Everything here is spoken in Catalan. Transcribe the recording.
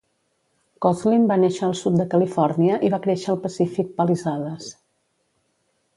Kosslyn va néixer al sud de Califòrnia i va créixer a Pacific Palisades.